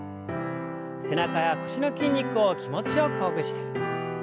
背中や腰の筋肉を気持ちよくほぐして。